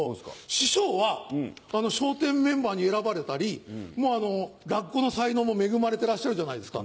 師匠は笑点メンバーに選ばれたり落語の才能も恵まれてらっしゃるじゃないですか。